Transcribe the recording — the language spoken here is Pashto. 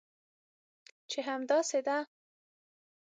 چې همداسې ده؟